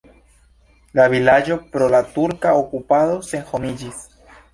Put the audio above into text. La vilaĝo pro la turka okupado senhomiĝis.